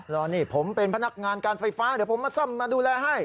รอนี่ผมเป็นพนักงานการไฟฟ้าเดี๋ยวผมมาซ่อมมาดูแลให้